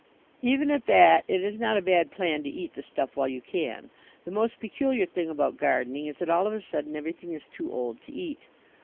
Even at that it is not a bad plan to eat the stuff while you can. The most peculiar thing about gardening is that all of a sudden everything is too old to eat.